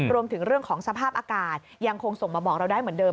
รวมถึงเรื่องของสภาพอากาศยังคงส่งมาบอกเราได้เหมือนเดิ